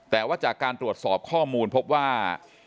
แต่ว่าจากการตรวจสอบข้อมูลพบว่า